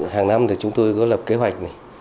hàng năm thì chúng tôi có lập kế hoạch này